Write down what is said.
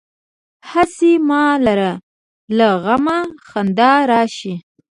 هسې ما لره له غمه خندا راشي.